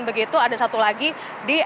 begitu ada satu lagi di